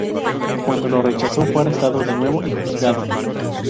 Cuando lo rechazó, fue arrestado de nuevo y juzgado.